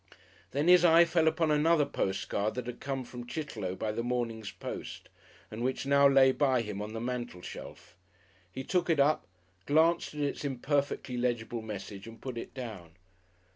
Then his eye fell upon another postcard that had come from Chitterlow by the morning's post, and which now lay by him on the mantel shelf. He took it up, glanced at its imperfectly legible message, and put it down.